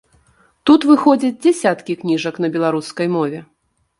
Тут выходзяць дзясяткі кніжак на беларускай мове.